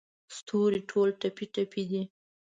ستوري ټول ټپې، ټپي دی